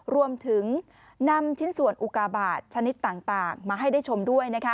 รวมถึงนำชิ้นส่วนอุกาบาทชนิดต่างมาให้ได้ชมด้วย